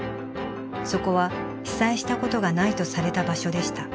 そこは被災したことがないとされた場所でした。